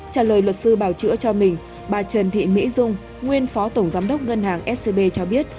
trả lời luật sư bảo chữa cho mình bà trần thị mỹ dung nguyên phó tổng giám đốc ngân hàng scb cho biết